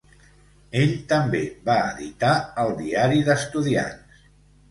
Ell també va editar el diari d"estudiants.